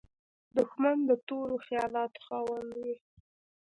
دښمن د تورو خیالاتو خاوند وي